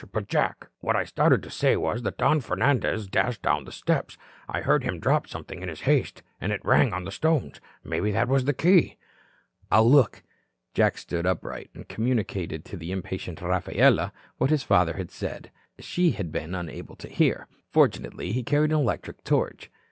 But, Jack, what I started to say was that as Don Fernandez dashed down the steps, I heard him drop something in his haste that rang on the stones. Maybe that was the key." "I'll look." Jack stood upright, and communicated to the impatient Rafaela what his father had said. She had been unable to hear. Fortunately, he carried an electric torch.